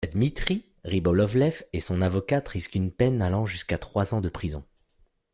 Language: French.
Dmitry Rybolovlev et son avocate risquent une peine allant jusqu'à trois ans de prison.